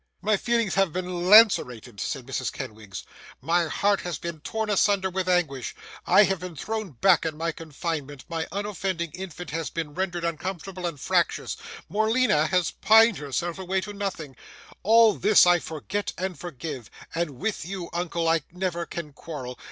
'My feelings have been lancerated,' said Mrs. Kenwigs, 'my heart has been torn asunder with anguish, I have been thrown back in my confinement, my unoffending infant has been rendered uncomfortable and fractious, Morleena has pined herself away to nothing; all this I forget and forgive, and with you, uncle, I never can quarrel.